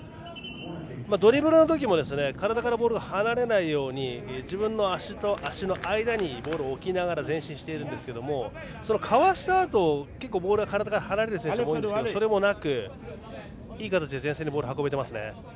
ドリブルのときも体からボールが離れないように自分の足と足の間にボールを置きながら前進していますがかわしたあとボールが体から離れる選手も多いんですがそれもなくていい形で前線にボールを運べています。